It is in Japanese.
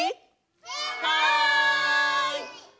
はい！